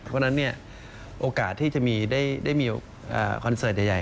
เพราะฉะนั้นโอกาสที่จะได้มีคอนเสิร์ตใหญ่